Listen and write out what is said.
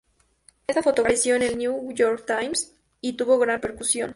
Esta fotografía apareció en el "New York Times" y tuvo gran repercusión.